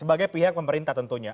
sebagai pihak pemerintah tentunya